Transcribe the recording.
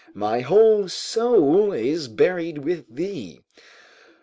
My whole soul is buried with thee.